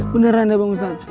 beneran ya bang ustadz